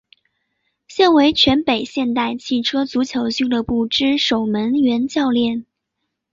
现为全北现代汽车足球俱乐部之守门员教练。